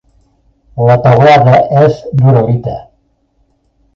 La teulada és d'uralita.